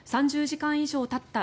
３０時間以上たった